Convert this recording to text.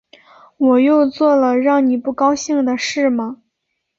我又做了让你不高兴的事吗